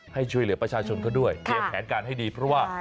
ให้ช่วยเหลือประชาชนเขาด้วยเตรียมแผนการให้ดีเพราะว่า